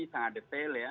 sangat detail ya